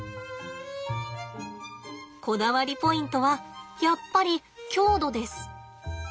こだわりポイントはやっぱり強度です。